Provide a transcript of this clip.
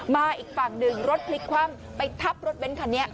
มาอีกฝั่งหนึ่งรถพลิกคว่ำไปทับรถเบ้นคันนี้